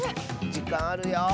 じかんあるよ。